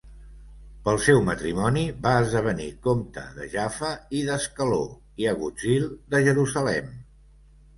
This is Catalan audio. Pel seu matrimoni va esdevenir comte de Jaffa i d'Ascaló i agutzil de Jerusalem.